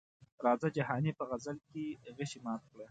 راځه جهاني په غزل کې غشي مات کړه.